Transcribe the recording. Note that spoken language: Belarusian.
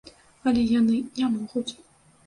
Але яны не могуць.